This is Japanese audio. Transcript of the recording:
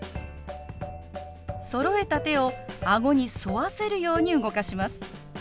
そろえた手を顎に沿わせるように動かします。